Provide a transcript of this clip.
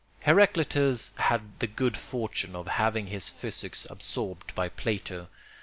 Heraclitus had the good fortune of having his physics absorbed by Plato.